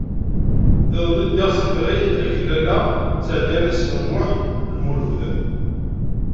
Iḍelli ddiɣ s afrag akked Lalla Seɛdiya n Ḥsen u Muḥ Lmlud.